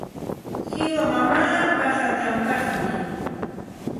Qiwa mamaapa hakanpaqmi.